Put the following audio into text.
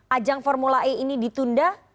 ajang formula e ini ditunda